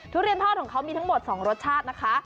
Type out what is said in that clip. ทุเรียนทอดของเขามีทั้งหมด๒รสชาตินะคะ